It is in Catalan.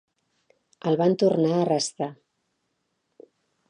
El van tornar a arrestar.